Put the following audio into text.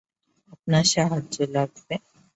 আপনার সাহায্য লাগবে?